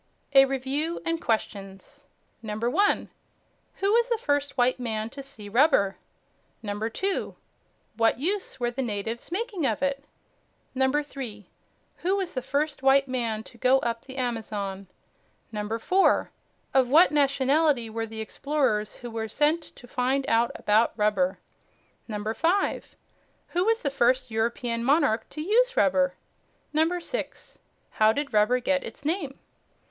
A REVIEW AND QUESTIONS 1. Who was the first white man to see rubber? 2 What use were the natives making of it? 3. Who was the first white man to go up the Amazon? 4. Of what nationality were the explorers who were sent to find out about rubber? 5. Who was the first European monarch to use rubber? 6. How did rubber get its name?